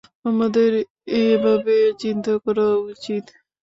আমাদের এভাবেই চিন্তা করা উচিত।